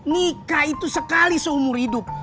nikah itu sekali seumur hidup